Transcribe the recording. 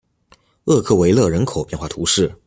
厄克维勒人口变化图示